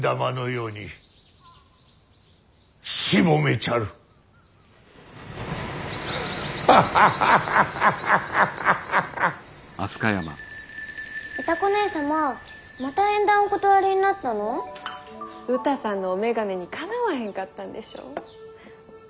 うたさんのお眼鏡にかなわへんかったんでしょう。